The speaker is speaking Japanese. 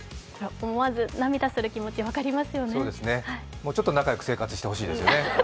もうちょっと仲よく生活してほしいですね、ハハハ。